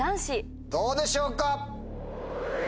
どうでしょうか？